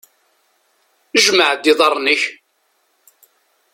Jmeε-d iḍarren-ik!